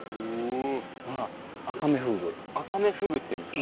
アカメフグっていうんですか。